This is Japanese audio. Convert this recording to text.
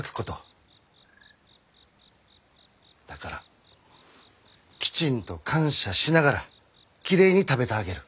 だからきちんと感謝しながらきれいに食べてあげる。